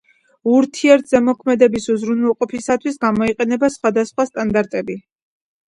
ურთიერთზემოქმედების უზრუნველყოფისათვის გამოიყენება სხვადასხვა სტანდარტები.